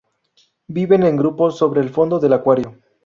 Viven en grupos sobre el fondo del acuario.